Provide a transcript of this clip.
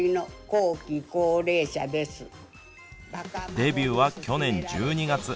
デビューは去年１２月。